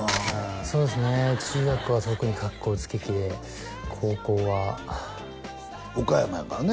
そうですね中学は特にかっこつけ期で高校は岡山やからね